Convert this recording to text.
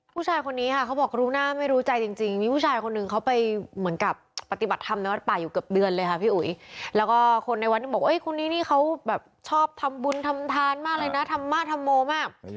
ผู้ชายคนนี้ค่ะเขาบอกรู้หน้าไม่รู้ใจจริงมีผู้ชายคนหนึ่งเขาไปเหมือนกับปฏิบัติธรรมในวัดป่าอยู่เกือบเดือนเลยค่ะพี่อุ๋ยแล้วก็คนในวัดยังบอกคนนี้นี่เขาแบบชอบทำบุญทำทานมากเลยนะธรรมะธรรโมมาก